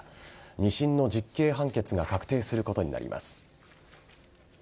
２審の実刑判決が確定することになります。